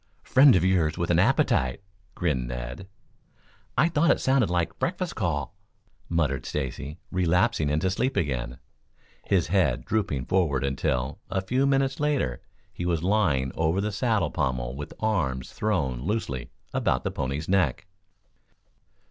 "Friend of yours with an appetite," grinned Ned. "I thought it sounded like breakfast call," muttered Stacy, relapsing into sleep again, his head drooping forward until, a few minutes later, he was lying over the saddle pommel with arms thrown loosely about the pony's neck.